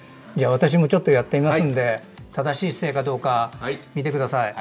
私もちょっとやってみますので正しい姿勢かどうか見てください。